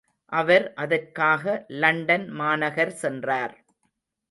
அவர் அதற்காக லண்டன் மாநகர் சென்றார்.